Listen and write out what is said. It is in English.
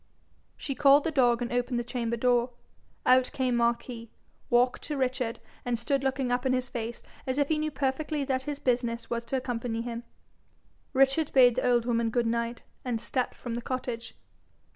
She called the dog and opened the chamber door. Out came Marquis, walked to Richard, and stood looking up in his face as if he knew perfectly that his business was to accompany him. Richard bade the old woman good night, and stepped from the cottage.